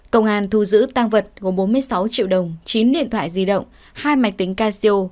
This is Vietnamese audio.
công an thu giữ tăng vật gồm bốn mươi sáu triệu đồng chín điện thoại di động hai máy tính casio